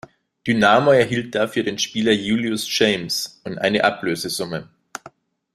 Dynamo erhielt dafür den Spieler Julius James und eine Ablösesumme.